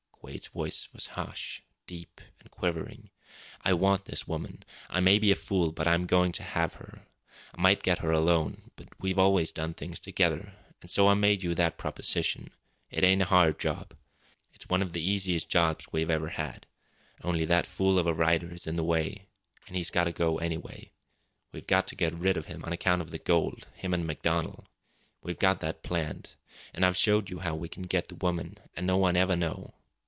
Quade's voice was harsh, deep, and quivering. "I want this woman. I may be a fool, but I'm going to have her. I might get her alone, but we've always done things together an' so I made you that proposition. It ain't a hard job. It's one of the easiest jobs we ever had. Only that fool of a writer is in the way an' he's got to go anyway. We've got to get rid of him on account of the gold, him an' MacDonald. We've got that planned. An' I've showed you how we can get the woman, an' no one ever know.